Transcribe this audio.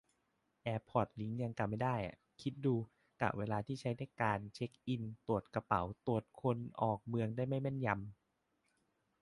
แอร์พอร์ตลิงก์ยังกะไม่ได้อะ คิดดู กะเวลาที่ใช้ในการเช็คอิน-ตรวจกระเป๋า-ตรวจคนออกเมืองได้ไม่แม่นยำ